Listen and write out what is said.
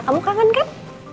kamu kangen kan